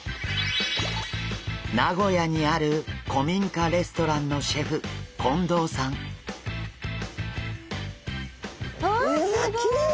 名古屋にある古民家レストランのうわすごい！